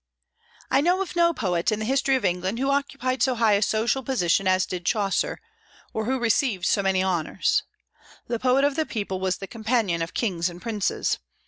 I know of no poet in the history of England who occupied so high a social position as did Chaucer, or who received so many honors. The poet of the people was the companion of kings and princes.